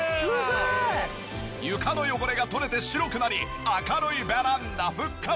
床の汚れが取れて白くなり明るいベランダ復活！